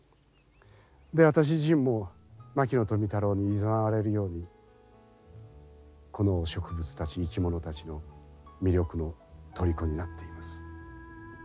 で私自身も牧野富太郎にいざなわれるようにこの植物たち生き物たちの魅力のとりこになっています。